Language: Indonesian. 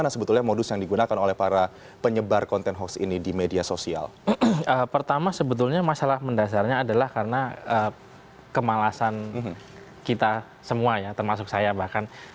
nah sebetulnya masalah mendasarnya adalah karena kemalasan kita semua ya termasuk saya bahkan